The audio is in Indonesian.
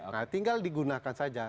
nah tinggal digunakan saja